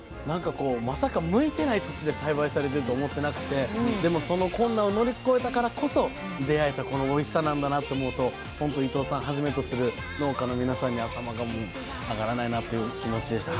まさか向いてない土地で栽培されてるとは思ってなくてでもその困難を乗り越えたからこそ出会えたこのおいしさなんだなと思うとほんと伊藤さんはじめとする農家の皆さんに頭が上がらないなという気持ちでした。